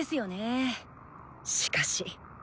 しかし。